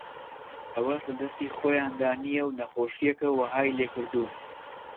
ئەوەش لەدەستی خۆیاندا نییە و نەخۆشییەکە وەهای لێکردوون